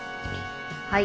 はい。